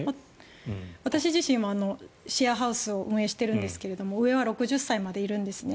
私自身もシェアハウスを運営しているんですが上は６０歳までいるんですね。